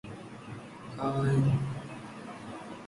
In the spring, they also released several new singles.